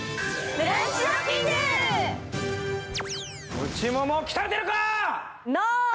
内腿鍛えてるか！